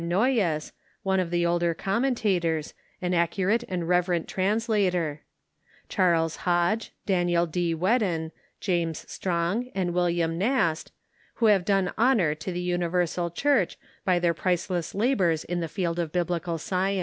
Noyes, one of the older commentators, an accurate and reverent trans lator ; Charles Hodge, Daniel D. Whcdon, James Strong, and William Nast, who have done honor to the universal Church by their ])riceless labors in the field of Biblical science.